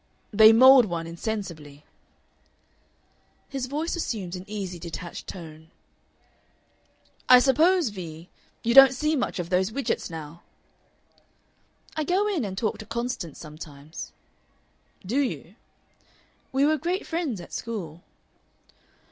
"They mould one insensibly." His voice assumed an easy detached tone. "I suppose, Vee, you don't see much of those Widgetts now?" "I go in and talk to Constance sometimes." "Do you?" "We were great friends at school."